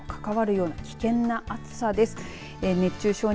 命に関わるような危険な暑さです。